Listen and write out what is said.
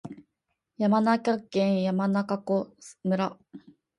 山梨県山中湖村